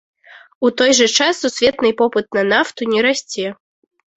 У той жа час, сусветнай попыт на нафту не расце.